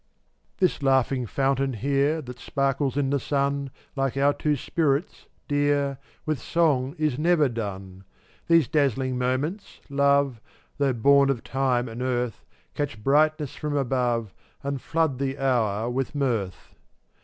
P &Swk/\f This laughing fountain here jyi That sparkles in the sun, \i\t/ Like our two spirits, Dear, KMYlCX With song is never done. 5 These dazzling moments, Love, Though born of time and earth, Catch brightness from above And flood the hour with mirth.